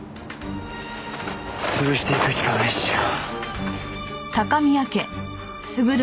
潰していくしかないっしょ。